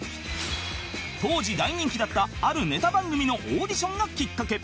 当時大人気だったあるネタ番組のオーディションがきっかけ